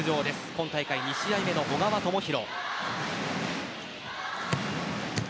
今大会２試合目の小川智大。